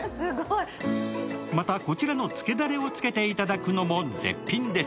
また、こちらのつけだれをつけていただくのも絶品です。